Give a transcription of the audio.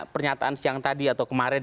pernyataan siang tadi atau kemarin